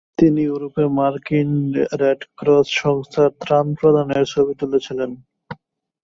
তিনি ইউরোপে মার্কিন রেড ক্রস সংস্থায় ত্রাণ প্রদানের ছবি তুলেছিলেন।